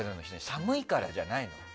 寒いからじゃないの？